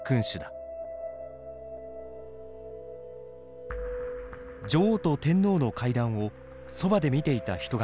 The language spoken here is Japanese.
女王と天皇の会談をそばで見ていた人がいる。